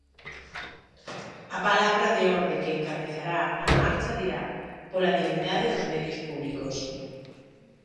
A palabra de orde que encabezará a marcha dirá: Pola dignidade dos medios públicos.